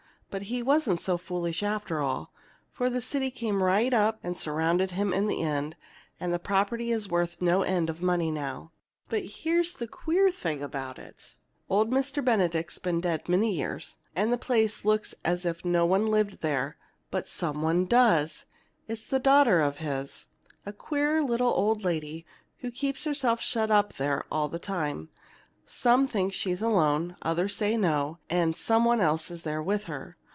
But he wasn't so foolish after all, for the city came right up and surrounded him in the end, and the property is worth no end of money now. "But here's the queer thing about it. Old Mr. Benedict's been dead many years, and the place looks as if no one lived there but some one does! It's a daughter of his, a queer little old lady, who keeps herself shut up there all the time; some think she's alone, others say no, that some one else is there with her.